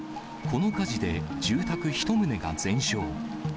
この火事で住宅１棟が全焼。